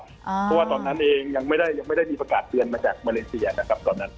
เพราะว่าตอนนั้นเองยังไม่ได้มีประกาศเตือนมาจากมาเลเซียนะครับตอนนั้น